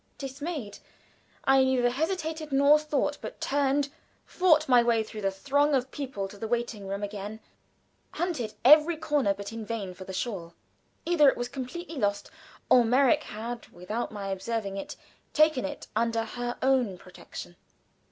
Dismayed, I neither hesitated nor thought, but turned, fought my way through the throng of people to the waiting room again, hunted every corner, but in vain, for the shawl. Either it was completely lost, or Merrick had, without my observing it, taken it under her own protection.